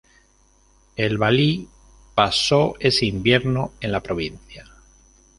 El valí pasó ese invierno en la provincia.